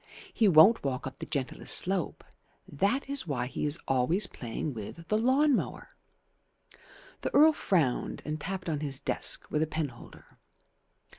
He won't walk up the gentlest slope. That is why he is always playing with the lawn mower." The Earl frowned and tapped on his desk with a penholder.